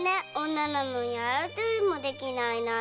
女なのにあやとりもできないなんて。